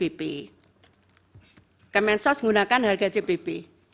kementerian sosial bapak menggunakan harga cbp